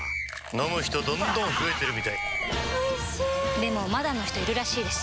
飲む人どんどん増えてるみたいおいしでもまだの人いるらしいですよ